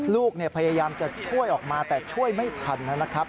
ลูกพยายามจะช่วยออกมาแต่ช่วยไม่ทันนะครับ